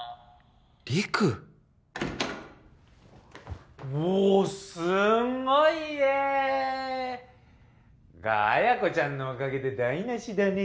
陸おおーすんごい家ー！が彩子ちゃんのおかげで台なしだね